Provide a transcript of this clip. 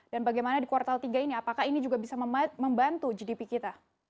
dan bagaimana di kuartal tiga ini apakah ini juga bisa membantu gdp kita